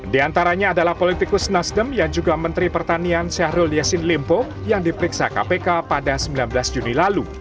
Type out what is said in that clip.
di antaranya adalah politikus nasdem yang juga menteri pertanian syahrul yassin limpo yang diperiksa kpk pada sembilan belas juni lalu